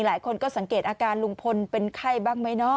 หลายคนก็สังเกตอาการลุงพลเป็นไข้บ้างไหมเนาะ